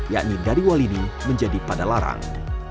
yakni dari walini menjadi pada larang